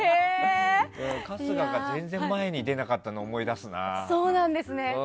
春日が全然前に出なかったの思い出すな。